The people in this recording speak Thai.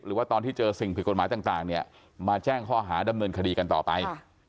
หรือว่าตอนที่เจอสิ่งผิดกฎหมายต่างเนี่ยมาแจ้งข้อหาดำเนินคดีกันต่อไป